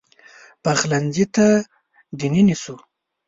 پخلنځي ته دننه سو